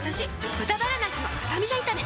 「豚バラなすのスタミナ炒め」